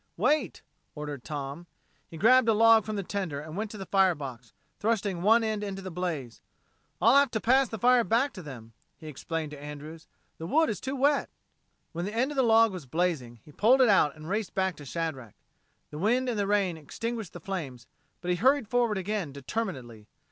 "Wait," ordered Tom. He grabbed a log from the tender and went to the fire box, thrusting one end into the blaze. "I'll have to pass the fire back to them," he explained to Andrews. "The wood is too wet." When the end of the log was blazing, he pulled it out and raced back to Shadrack. The wind and the rain extinguished the flames, but he hurried forward again determinedly.